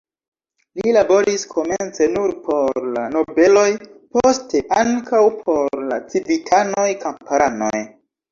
Li laboris komence nur por la nobeloj, poste ankaŭ por la civitanoj, kamparanoj.